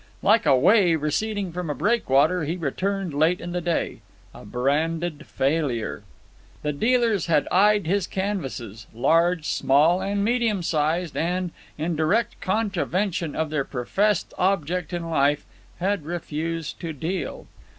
Like a wave receding from a breakwater he returned late in the day, a branded failure. The dealers had eyed his canvases, large, small, and medium sized, and, in direct contravention of their professed object in life, had refused to deal.